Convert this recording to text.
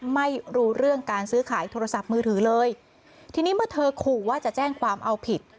ไม่รู้เรื่องการซื้อขายโทรศัพท์มือถือเลยทีนี้เมื่อเธอขู่ว่าจะแจ้งความเอาผิด